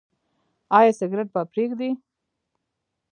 ایا سګرټ به پریږدئ؟